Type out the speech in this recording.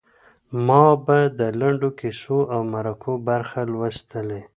ما به د لنډو کیسو او مرکو برخې لوستلې.